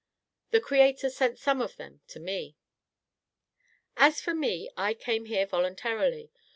The Creator sent some of them to me. "As for me, I came here voluntarily.